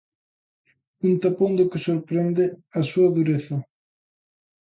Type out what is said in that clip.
Un tapón do que sorprende a súa dureza.